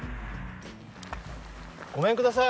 ごめんください。